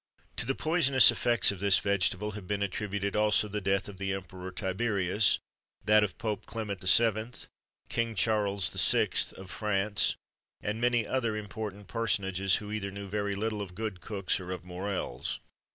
[XXIII 112] To the poisonous effects of this vegetable have been attributed, also, the death of the Emperor Tiberius, that of Pope Clement VII., King Charles VI. of France, and many other important personages, who either knew very little of good cooks, or of morels.